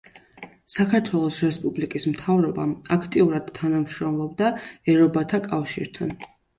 საქართველოს რესპუბლიკის მთავრობა აქტიურად თანამშრომლობდა „ერობათა კავშირთან“.